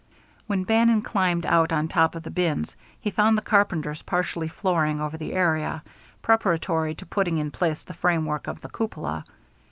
When Bannon climbed out on top of the bins, he found the carpenters partially flooring over the area, preparatory to putting in place the framework of the cupola.